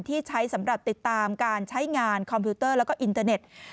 ที่ใช้สำหรับติดตามการใช้งานคอมพิวเตอร์แล้วก็อินเทอร์เน็ต